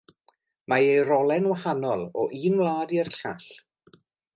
Mae eu rolau'n wahanol o un wlad i'r llall.